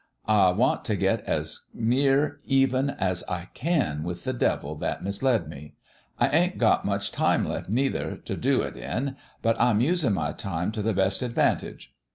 ' I want t' get as near even as I can with the devil that misled me. I ain't got much time left, neither, t' do it in ; but I'm usin' my time t' the best advantage.'